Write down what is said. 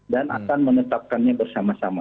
dan akan menetapkannya bersama sama